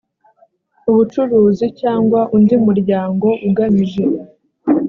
ubucuruzi cyangwa undi muryango ugamije